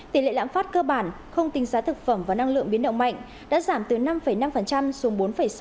tỷ lệ lãm phát cơ bản không tính giá thực phẩm và năng lượng biến động mạnh đã giảm từ năm năm xuống bốn sáu